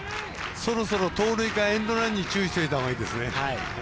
そろそろ盗塁かエンドランに注意したほうがいいですね。